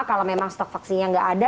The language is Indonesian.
kalau memang stok vaksinnya nggak ada